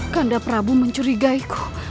kanda prabu mencurigaiku